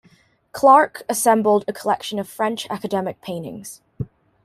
Clark assembled a collection of French academic paintings.